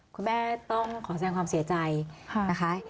คุณแม่ต้องขอแสดงความเสียใจนะคะ